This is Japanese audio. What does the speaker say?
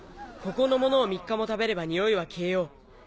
ここのものを３日も食べればにおいは消えよう。